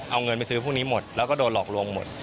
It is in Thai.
เอาเงินไปซื้อพวกนี้หมดแล้วก็โดนหลอกลวงหมด